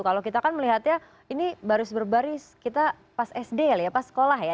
kalau kita kan melihatnya ini baris berbaris kita pas sd ya pas sekolah ya